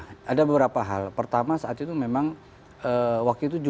jadi itu juga harus diatur oleh manajemen wadahnya